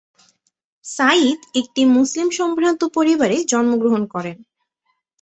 সাঈদ একটি মুসলিম সম্ভ্রান্ত পরিবারে জন্মগ্রহণ করেন।